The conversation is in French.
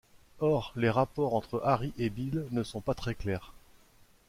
Or, les rapports entre Harry et Bill ne sont pas très clairs.